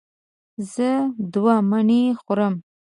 زه دوه مڼې خورم.